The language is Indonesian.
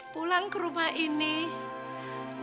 pulang ke rumah ini